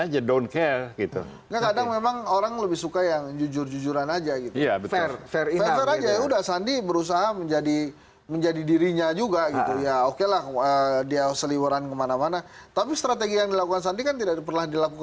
jokowi dan sandi